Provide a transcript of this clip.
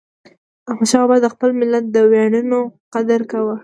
احمدشاه بابا د خپل ملت د ویاړونو قدر کاوه.